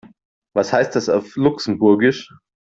Was heißt das auf Luxemburgisch?